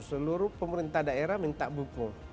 seluruh pemerintah daerah minta buku